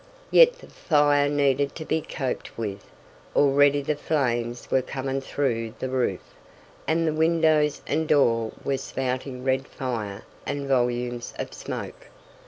Yet the fire needed to be coped with. Already the flames were coming through the roof, and the windows and door were spouting red fire and volumes of smoke.